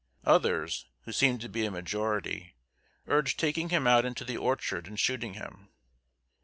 Others, who seemed to be a majority, urged taking him out into the orchard and shooting him.